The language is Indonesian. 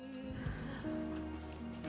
oke ya udah